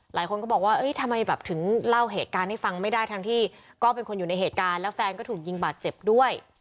หลายคนก็บอกว่าทำไมแบบถึงเล่าเหตุการณ์ให้ฟังไม่ได้ทั้งที่ก็เป็นคนอยู่ในเหตุการณ์แล้วแฟนก็ถูกยิงบาดเจ็บด้วย